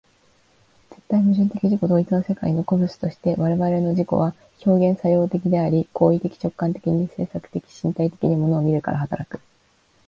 絶対矛盾的自己同一の世界の個物として、我々の自己は表現作用的であり、行為的直観的に制作的身体的に物を見るから働く。